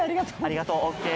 ありがとうＯＫ。